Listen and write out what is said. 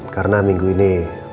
karena minggu ini